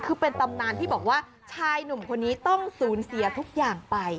คือเป็นตำนานที่บอกว่าชายหนุ่มคนนี้ต้องสูญเสียทุกอย่างไป